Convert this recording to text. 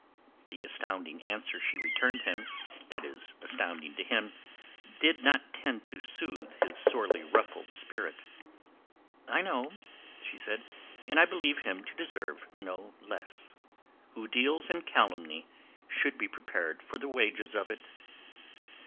The astounding answer she returned him—that is, astounding to him—did not tend to soothe his sorely ruffled spirit. "I know," she said. "And I believe him to deserve no less. Who deals in calumny should be prepared for the wages of it."